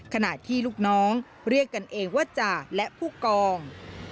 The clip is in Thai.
ขณะที่ลูกน้องเรียกกันเองว่าจ่าและผู้กอง